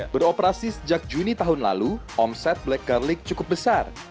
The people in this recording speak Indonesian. beroperasi sejak juni tahun lalu omset black garlic cukup besar